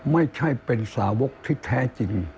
ไม่ใช่เป็นสาวกที่แท้จริง